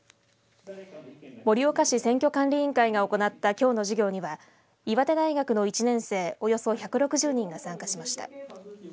盛岡市選挙管理委員会が行ったきょうの授業には岩手大学の１年生およそ１６０人が参加しました。